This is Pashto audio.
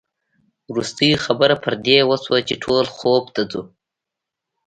وروستۍ خبره پر دې وشوه چې ټول خوب ته ځو.